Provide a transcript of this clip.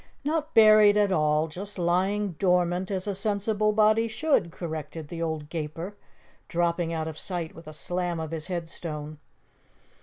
"Not buried at all, just lying dormant as a sensible body should," corrected the old Gaper, dropping out of sight with a slam of his headstone.